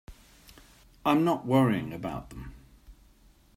I'm not worrying about them.